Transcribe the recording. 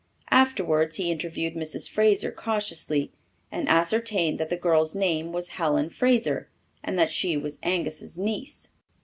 Afterwards he interviewed Mrs. Fraser cautiously, and ascertained that the girl's name was Helen Fraser, and that she was Angus's niece.